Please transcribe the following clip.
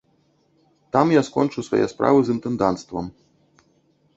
Там я скончу свае справы з інтэнданцтвам.